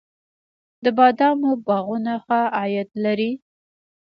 د بادامو باغونه ښه عاید لري؟